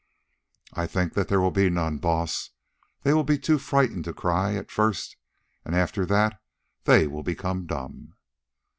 "I think that there will be none, Baas; they will be too frightened to cry at first, and after that they will become dumb."